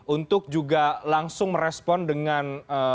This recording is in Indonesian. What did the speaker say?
untuk juga langsung merespon dengan